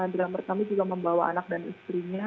drummer kami juga membawa anak dan istrinya